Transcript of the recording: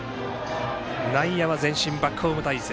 内野は前進バックホーム態勢。